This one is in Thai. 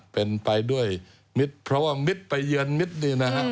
เป็นไปด้วยมิตรเพราะว่ามิตรไปเยือนมิตรนี่นะฮะ